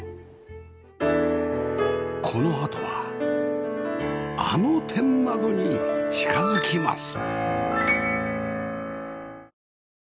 このあとはあの天窓に近づきます